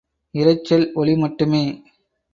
இரைச்சல், ஒலி மட்டுமே!